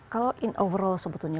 kalau in overall sebetulnya